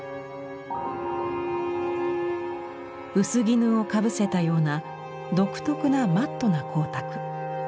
薄絹をかぶせたような独特なマットな光沢。